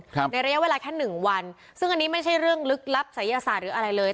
ในระยะเวลาแค่หนึ่งวันซึ่งอันนี้ไม่ใช่เรื่องลึกลับศัยศาสตร์หรืออะไรเลย